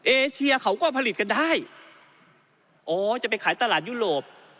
เอเชียเขาก็ผลิตกันได้อ๋อจะไปขายตลาดยุโรป